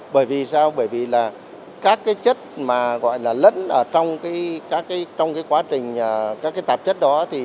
bởi vì sao bởi vì các chất lẫn trong quá trình tạp chất đó